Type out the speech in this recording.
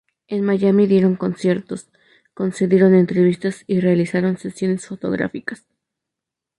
En Miami dieron conciertos, concedieron entrevistas y realizaron sesiones fotográficas.